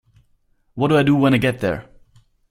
What do I do when I get there?